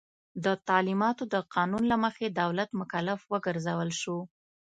د تعلیماتو د قانون له مخي دولت مکلف وګرځول سو.